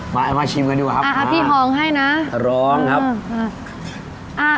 มามาชิมกันดีกว่าครับมาครับพี่ทองให้นะร้องครับอ่า